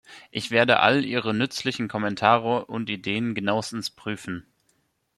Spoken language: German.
Ich werde all Ihre nützlichen Kommentare und Ideen genauestens prüfen.